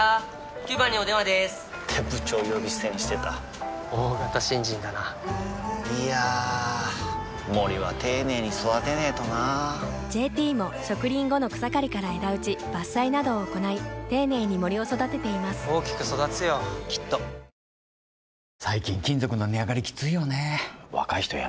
９番にお電話でーす！って部長呼び捨てにしてた大型新人だないやー森は丁寧に育てないとな「ＪＴ」も植林後の草刈りから枝打ち伐採などを行い丁寧に森を育てています大きく育つよきっと血圧はちゃんとチェック！